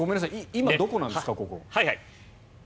今、ここはどこなんですか？